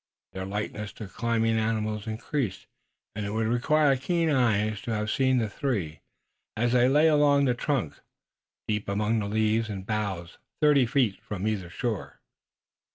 Their likeness to climbing animals increased, and it would have required keen eyes to have seen the three as they lay along the trunk, deep among the leaves and boughs thirty feet from either shore.